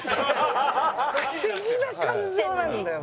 不思議な感情なんだよな。